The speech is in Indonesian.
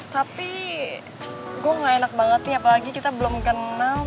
tapi gue gak enak banget nih apalagi kita belum kenal